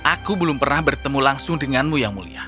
aku belum pernah bertemu langsung denganmu yang mulia